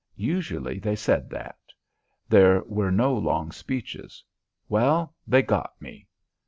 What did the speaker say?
Usually they said that. There were no long speeches. "Well, they got me."